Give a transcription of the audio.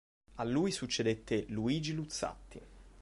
A lui succedette Luigi Luzzatti.